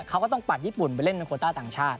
เขาก็ต้องปัดญี่ปุ่นไปเล่นเป็นโคต้าต่างชาติ